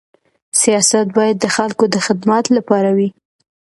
سیاست باید د خلکو د خدمت لپاره وي.